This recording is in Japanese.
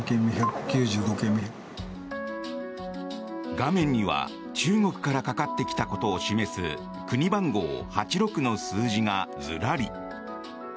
画面には中国からかかってきたことを示す国番号８６の数字がずらり。